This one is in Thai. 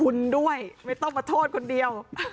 คุณด้วยไม่ต้องมาโทษคนเดียว